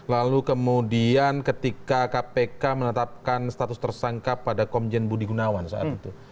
lalu kemudian ketika kpk menetapkan status tersangka pada komjen budi gunawan saat itu